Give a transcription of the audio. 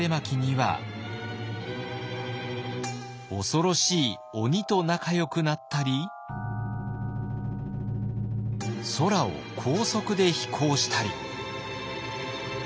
恐ろしい鬼と仲よくなったり空を高速で飛行したり。